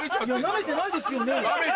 舐めてないですよ。